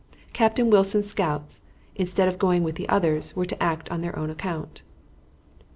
Captain Wilson's scouts, instead of going with the others, were to act on their own account.